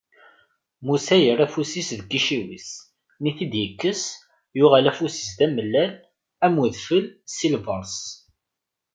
Musa yerra afus-is deg iciwi-s, mi t-id-ikkes, yuɣal ufus-is d amellal am udfel si lberṣ.